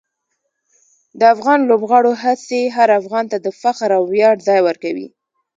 د افغان لوبغاړو هڅې هر افغان ته د فخر او ویاړ ځای ورکوي.